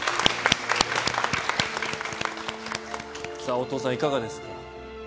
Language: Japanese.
お父さん、いかがですか。